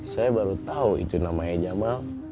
saya baru tahu itu namanya jamaah